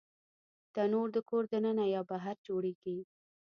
تنور د کور دننه یا بهر جوړېږي